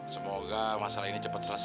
semoga masalah ini cepet selesai deh